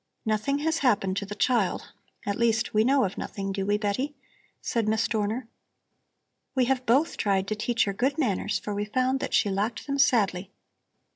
"Nothing has happened to the child; at least, we know of nothing, do we, Betty?" said Miss Dorner. "We have both tried to teach her good manners, for we found that she lacked them sadly.